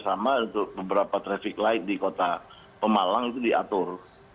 sama untuk beberapa traffic light di kota pemalang itu diatur